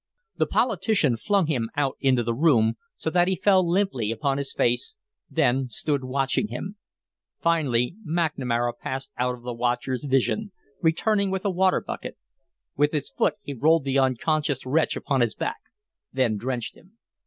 The politician flung him out into the room so that he fell limply upon his face, then stood watching him. Finally, McNamara passed out of the watcher's vision, returning with a water bucket. With his foot he rolled the unconscious wretch upon his back, then drenched him.